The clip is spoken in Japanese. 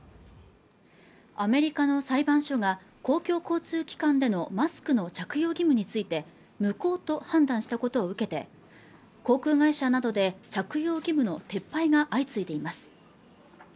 アメリカの裁判所が公共交通機関でのマスクの着用義務について無効と判断したことを受けて航空会社などで着用義務の撤廃が相次いでいます